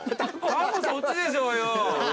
タコそっちでしょうよ。